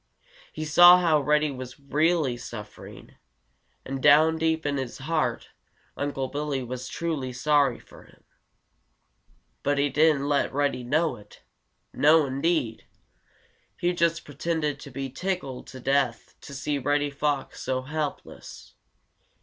He saw how Reddy was really suffering, and down deep in his heart Unc' Billy was truly sorry for him. But he didn't let Reddy know it. No, indeed! He just pretended to be tickled to death to see Reddy Fox so helpless.